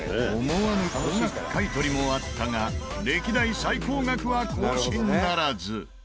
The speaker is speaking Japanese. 思わぬ高額買取もあったが歴代最高額は更新ならず。